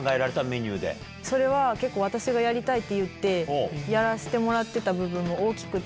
それは結構私がやりたいって言ってやらせてもらってた部分も大きくて。